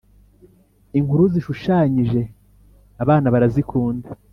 Inkuru zishushanyije abana barazikunda